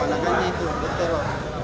warnanya itu dotoro